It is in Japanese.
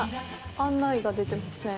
案内が出てますね。